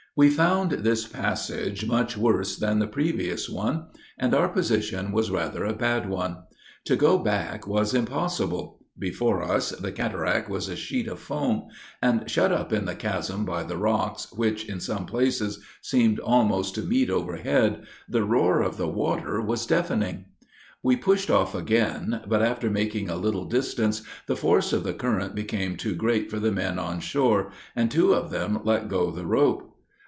We found this passage much worse than the previous one, and our position was rather a bad one. To go back was impossible; before us, the cataract was a sheet of foam; and, shut up in the chasm by the rocks, which, in some places, seemed almost to meet overhead, the roar of the water was deafening, We pushed off again; but, after making a little distance, the force of the current became too great for the men on shore, and two of them let go the rope.